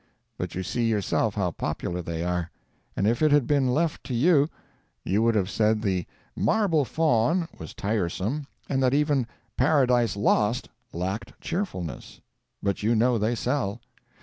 But you see yourself how popular they are. And if it had been left to you, you would have said the "Marble Faun" was tiresome, and that even "Paradise Lost" lacked cheerfulness; but you know they sell.